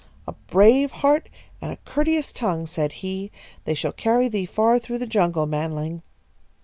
'A brave heart and a courteous tongue, said he, they shall carry thee far through the jungle, manling.'